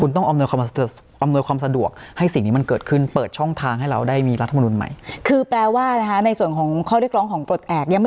ต้องทำให้เกิดขึ้นจริงไม่ว่าคุณเป็นเสา